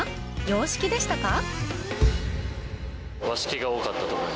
洋式でしたか？